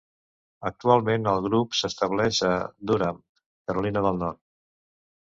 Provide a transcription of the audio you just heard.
Actualment, el grup s'estableix a Durham, Carolina del Nord.